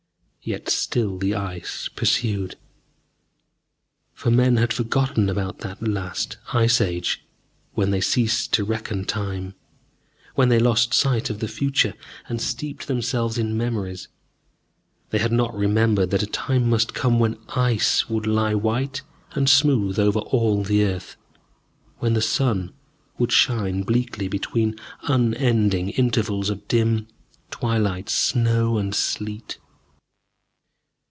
Yet still the Ice pursued. For men had forgotten about that Last Ice Age when they ceased to reckon time, when they lost sight of the future and steeped themselves in memories. They had not remembered that a time must come when Ice would lie white and smooth over all the earth, when the sun would shine bleakly between unending intervals of dim, twilight snow and sleet.